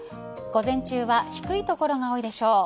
午前中は低い所が多いでしょう。